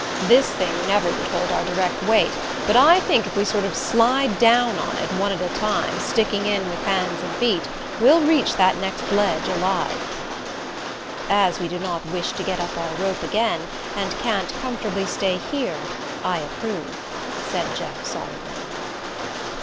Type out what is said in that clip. "This thing never would hold our direct weight, but I think if we sort of slide down on it, one at a time, sticking in with hands and feet, we'll reach that next ledge alive." "As we do not wish to get up our rope again and can't comfortably stay here I approve," said Jeff solemnly.